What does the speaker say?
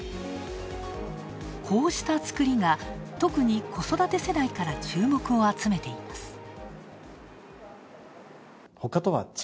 こうしたつくりが特に子育て世代から注目を集めています。